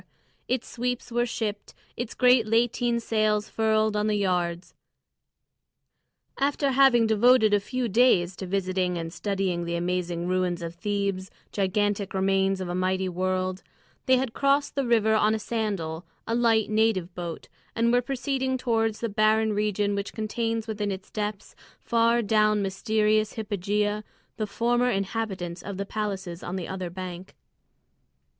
Its sweeps were shipped, its great lateen sails furled on the yards. After having devoted a few days to visiting and studying the amazing ruins of Thebes, gigantic remains of a mighty world, they had crossed the river on a sandal, a light native boat, and were proceeding towards the barren region which contains within its depths, far down mysterious hypogea, the former inhabitants of the palaces on the other bank.